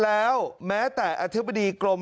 แล้วแม้แต่อธิบดีกรม